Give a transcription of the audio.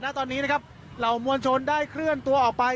ตอนนี้นะครับเหล่ามวลชนได้เคลื่อนตัวออกไป